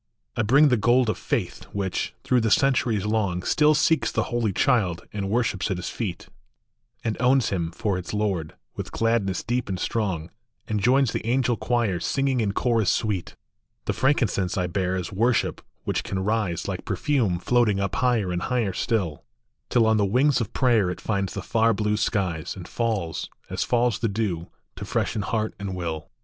[ bring the gold of faith, which, through the centuries long, Still seeks the Holy Child, and worships at his feet, \nd owns him for its Lord, with gladness deep and strong, And joins the angel choir, singing in chorus sweet. 21 8 GOLD, FRANKINCENSE, AND MYRRH. The frankincense I bear is worship which can rise, Like perfume floating up higher and higher still, Till on the wings of prayer it finds the far blue skies, And falls, as falls the dew, to freshen heart and will.